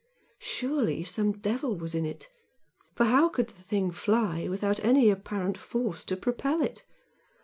Surely some devil was in it! for how could the thing fly without any apparent force to propel it?